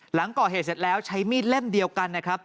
หลังก่อเหตุเสร็จแล้วใช้มีดเล่มเดียวกันนะครับ